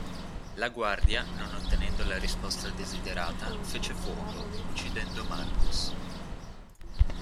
La guardia non ottenendo la risposta desiderata fece fuoco uccidendo Marcus.